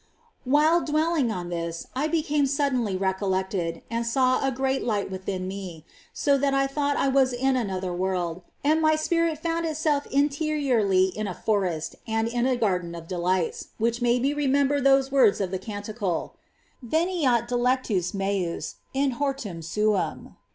While dwelling on this, I became suddenly recol lected, and I saw a great light within me, so that I thought I was in another world, and my spirit found itself interiorly in a forest and in a garden of delights, which made me remember those words of the Canticle :^ "Yeniat dilectus mens in hortum suum."